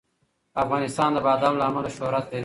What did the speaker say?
افغانستان د بادام له امله شهرت لري.